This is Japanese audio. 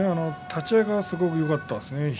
立ち合いがすごくよかったですね。